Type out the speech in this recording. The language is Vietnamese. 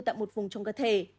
tại một vùng trong cơ thể